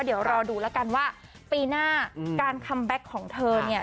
เดี๋ยวรอดูแล้วกันว่าปีหน้าการคัมแบ็คของเธอเนี่ย